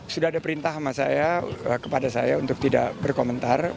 sudah ada perintah sama saya kepada saya untuk tidak berkomentar